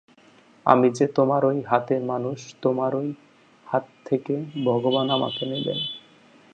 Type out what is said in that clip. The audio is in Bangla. আমি যে তোমারই হাতের মানুষ, তোমারই হাত থেকে ভগবান আমাকে নেবেন।